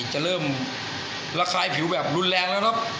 จะเริ่มระคายผิวแบบรุนแรงแล้วเนอะ